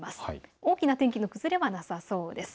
大きな天気の崩れはなさそうです。